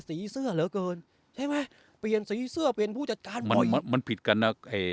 สีเสื้อเหลือเกินใช่ไหมเปลี่ยนสีเสื้อเป็นผู้จัดการมันมันผิดกันนะเอ่อ